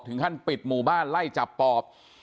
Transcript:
ถึงขั้นปิดหมู่บ้านไล่จับปอบ